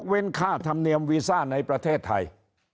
ค่าธรรมเนียมวีซ่าในประเทศไทย